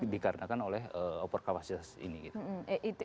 dikarenakan oleh over kapasitas ini gitu